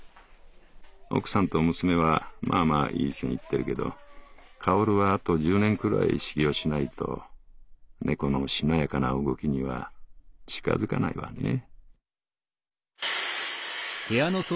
奥さんと娘はまあまあいい線いってるけど薫はあと十年くらい修行しないと猫のしなやかな動きには近づかないわねぇ」。